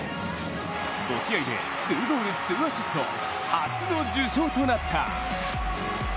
５試合で２ゴール２アシスト、初の受賞となった。